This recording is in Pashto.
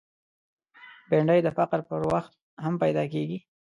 بېنډۍ د فقر پر وخت هم پیدا کېږي